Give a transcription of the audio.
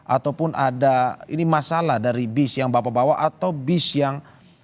ataupun ada ini masalah dari bis yang bapak bawa atau bis yang